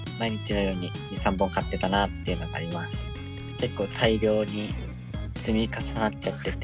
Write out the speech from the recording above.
結構大量に積み重なっちゃってて。